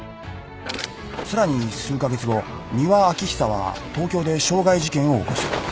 さらに数カ月後丹羽昭久は東京で傷害事件を起こす。